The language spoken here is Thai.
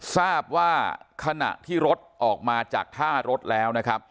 ทราบว่าขณะที่รถออกมาจากท่ารถแล้วนะครับ